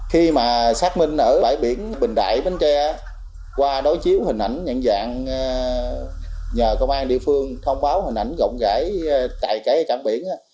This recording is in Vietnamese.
khi mà xác minh ở bãi biển bình đại bến tre qua đối chiếu hình ảnh nhận dạng nhờ công an địa phương thông báo hình ảnh rộng rãi tại cảng biển